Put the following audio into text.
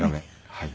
はい。